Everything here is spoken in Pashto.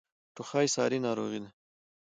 ټوخی ساری ناروغۍ ده.